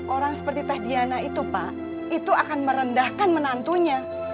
orang seperti tahdiana itu pak itu akan merendahkan menantunya